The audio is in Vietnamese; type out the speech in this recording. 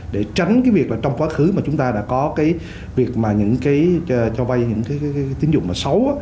để tránh việc trong quá khứ chúng ta đã có việc cho vay những tín dụng xấu